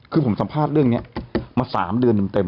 คือผมสัมภาษณ์เรื่องนี้มา๓เดือนเต็ม